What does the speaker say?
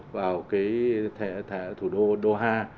đầu tư rất nhiều vào cái thủ đô doha